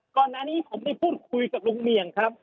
ก่อนหน้านี้ผมได้พูดคุยกับลุงเมี่ยงครับ